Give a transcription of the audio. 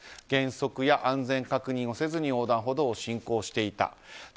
減速や安全確認をせずに横断歩道を進行していた。